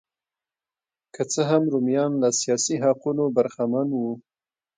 که څه هم رومیان له سیاسي حقونو برخمن وو